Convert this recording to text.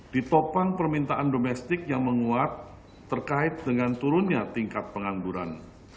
ditopang permintaan domestik yang menguat terkait dengan turunnya tingkat pengangguran